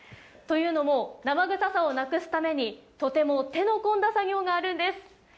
というのも、生臭さをなくすために、とても手の込んだ作業があるんです。